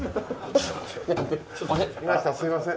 すいません。